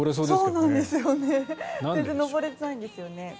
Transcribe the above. そうなんですよね。